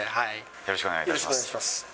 よろしくお願いします。